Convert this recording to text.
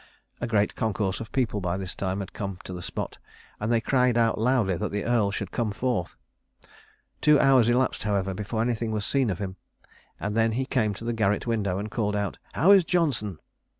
A great concourse of people by this time had come to the spot, and they cried out loudly that the earl should come forth. Two hours elapsed, however, before anything was seen of him, and then he came to the garret window and called out, "How is Johnson?"